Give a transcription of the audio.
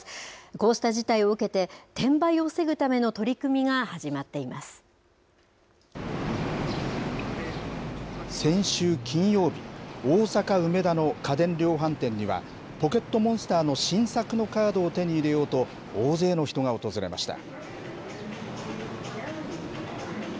こうした事態を受けて、転売を防ぐための取り組みが始まっていま先週金曜日、大阪・梅田の家電量販店には、ポケットモンスターの新作のカードを手に入れようと、大勢の人が訪れました。